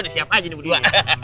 siapa aja nih berdua